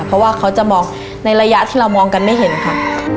เพราะว่าเขาจะมองในระยะที่เรามองกันไม่เห็นค่ะ